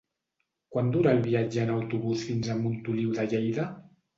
Quant dura el viatge en autobús fins a Montoliu de Lleida?